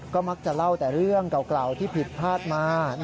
ก็มักจะเล่าแต่เรื่องเก่าที่ผิดพลาดมา